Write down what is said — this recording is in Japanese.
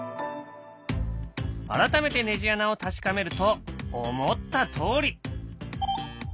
改めてネジ穴を確かめると思ったとおり。